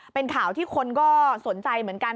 เป็นข่าวที่คนก็สนใจเหมือนกัน